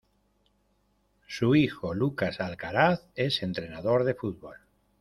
Su hijo, Lucas Alcaraz, es entrenador de fútbol.